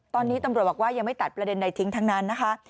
ตอนนี้ตำรวจบอกว่ายังไม่ตัดประเด็นใดทิ้งทั้งนั้นนะคะ